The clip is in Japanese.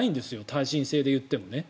耐震性でいってもね。